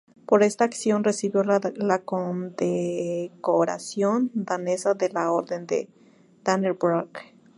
Por esta acción recibió la condecoración danesa de la Orden de Dannebrog.